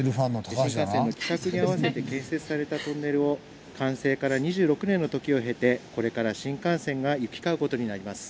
新幹線の規格に合わせて建設されたトンネルを完成から２６年の時を経てこれから新幹線が行き交う事になります」。